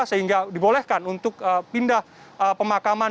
sehingga dibolehkan untuk pindah pemakaman